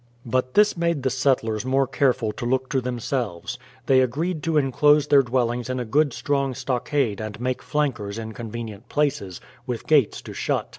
But this made the settlers more careful to look to them selves. They agreed to enclose their dwellings in a good strong stockade and make flankers in convenient places, with gates to shut.